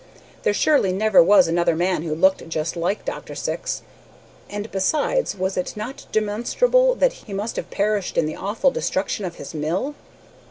There surely never was another man who looked just like Dr. Syx. And, besides, was it not demonstrable that he must have perished in the awful destruction of his mill?